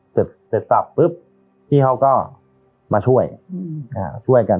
เสร็จสับปุ๊บพี่เขาก็มาช่วยช่วยกัน